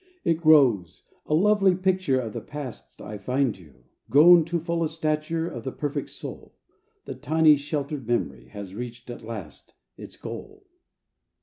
It grows, A lovely picture of the past I find, You! Grown to fullest stature Of the perfect soul, The tiny sheltered memory Has reached at last Its goal.